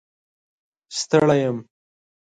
ستړی یم